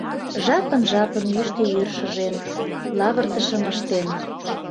Жапын-жапын йӱштӧ йӱр шыжен, лавыртышым ыштен.